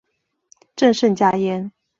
朕甚嘉焉。